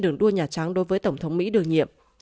đường đua nhà trắng đối với tổng thống mỹ đương nhiệm